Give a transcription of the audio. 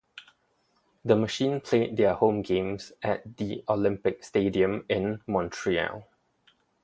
The Machine played their home games at the Olympic Stadium in Montreal.